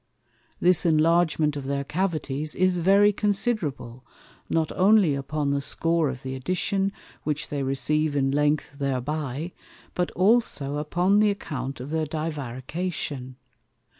This enlargement of their Cavities is very considerable, not only upon the score of the addition, which they receive in length thereby, but also upon the account of their Divarication.